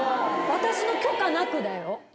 私の許可なくだよ。